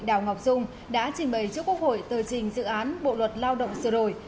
đào ngọc dung đã trình bày trước quốc hội tờ trình dự án bộ luật lao động sửa đổi